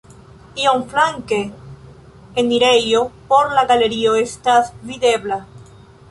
Iom flanke enirejo por la galerio estas videbla.